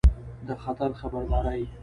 د خطر خبرداری